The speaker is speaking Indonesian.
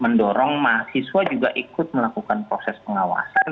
mendorong mahasiswa juga ikut melakukan proses pengawasan